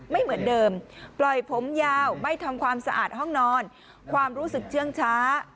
ไม่เหมือนเดิมปล่อยผมยาวไม่ทำความสะอาดห้องนอนความรู้สึกเชื่องช้า